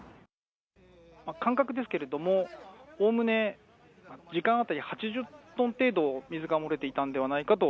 感覚ですけれども、おおむね、時間当たり８０トン程度、水が漏れていたんではないかと。